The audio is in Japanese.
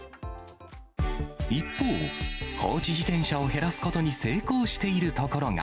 一方、放置自転車を減らすことに成功しているところが。